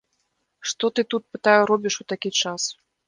Што ты тут, пытаю, робіш у такі час?